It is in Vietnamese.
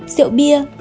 hai rượu bia